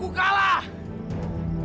tunjukkan wujud aslimu